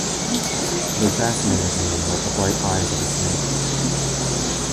They fascinated me like the bright eyes of a snake.